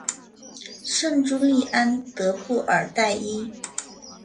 圣朱利安德布尔代伊。